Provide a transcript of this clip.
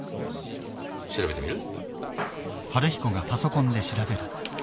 調べてみる？